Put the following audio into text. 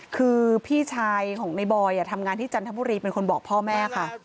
คือพี่ชายของในบอยทำงานที่จันทบุรีเป็นคนบอกพ่อแม่ค่ะ